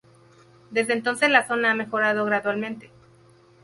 Desde entonces la zona ha mejorado gradualmente.